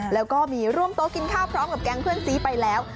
ละก็มีร่วมโต๊ะกินข้าวพร้อมกับแกดละไปแล้ว